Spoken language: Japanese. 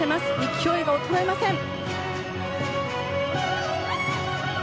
勢いも衰えません！